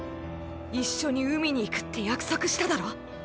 一緒に海に行くって約束しただろ。